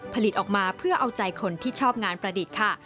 ผลิตออกมาเพื่อเอาใจคนที่ชอบงานประดิษฐ์ค่ะ